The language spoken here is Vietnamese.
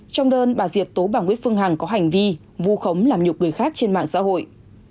trong đơn bà diệp tố bà nguyễn phương hằng có hành vi vu khống làm nhục người khác trên mạng xã hội